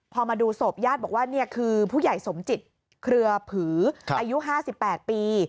พอมาดูศพญาติบอกว่านี่คือผู้ใหญ่สมจิตเครือผืออายุ๕๘ปี